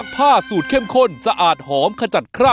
ข่าวใส่ใคร